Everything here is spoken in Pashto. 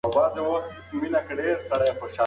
هغه ز په کلي کې ښه سړی دی.